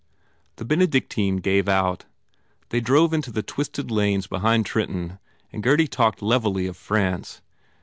The Benedictine gave out. They drove into the twisted lanes behind Trenton and Gurdy talked levelly of France.